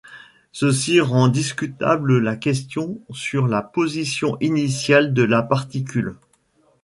Ceci rend discutable la question sur la position initiale de la particule.